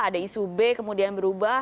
ada isu b kemudian berubah